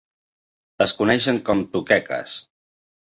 Es coneixen com tuqueques.